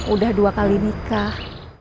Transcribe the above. udah dua kali nikah